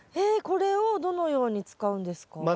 えこれをどのように使うんですか？